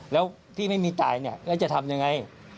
แล้วพี่ไม่มีจ่ายแล้วจะทำอย่างไร